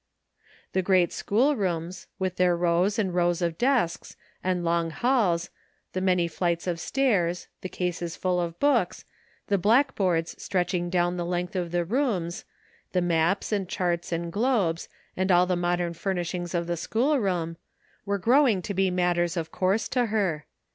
The great schoolrooms, with their rows and rows of desks, the long halls, the many flights of stairs, the cases full of books, the black boards reaching down the length of the rooms, the maps and charts and globes, and all the modem furnishings of the schoolroom, were growing to be matters of course to her.